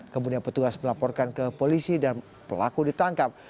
kemudian petugas melaporkan ke polisi dan pelaku ditangkap